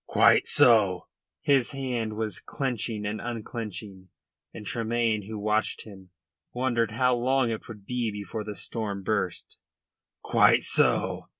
"Quite so," said O'Moy, his hand clenching and unclenching, and Tremayne, who watched him, wondered how long it would be before the storm burst. "Quite so.